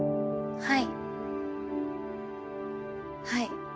はい。